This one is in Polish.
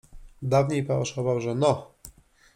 Dawniej pałaszował, że no.